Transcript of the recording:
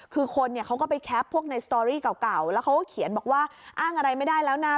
คือคนเนี่ยเขาก็ไปแคปพวกในสตอรี่เก่าแล้วเขาก็เขียนบอกว่าอ้างอะไรไม่ได้แล้วนะ